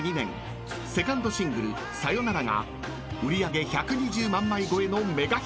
セカンドシングル『サヨナラ』が売り上げ１２０万枚超えのメガヒット！］